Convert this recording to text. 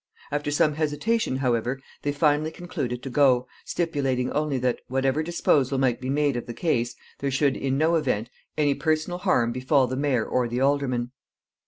After some hesitation, however, they finally concluded to go, stipulating only that, whatever disposal might be made of the case, there should, in no event, any personal harm befall the mayor or the aldermen.